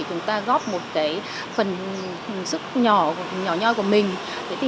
chúng ta góp một phần sức nhỏ